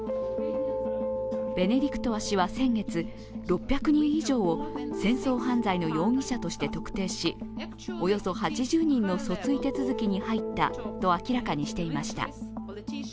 ベネディクトワ氏は先月６００人以上を戦争犯罪の容疑者として特定し、およそ８０人の訴追手続きに入ったと明らかにしていました。